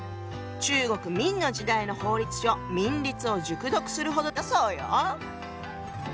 中国明の時代の法律書「明律」を熟読するほどだったそうよ。